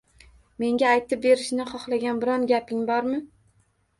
“Menga aytib berishni xohlagan, biron gaping bormi?”.